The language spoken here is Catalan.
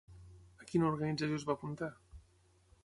A quina organització es va apuntar?